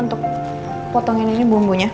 untuk potongin ini bumbunya